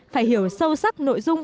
phải hiểu sâu sắc nội dung